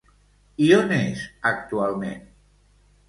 I on és actualment?